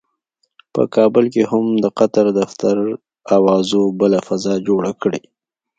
په کابل کې هم د قطر دفتر اوازو بله فضا جوړه کړې.